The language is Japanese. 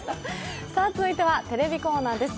続いては、テレビコーナーです。